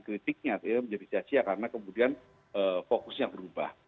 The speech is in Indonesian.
kritiknya menjadi sia sia karena kemudian fokusnya berubah